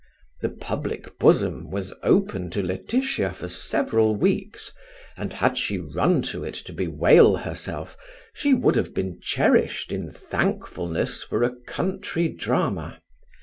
The public bosom was open to Laetitia for several weeks, and had she run to it to bewail herself she would have been cherished in thankfulness for a country drama.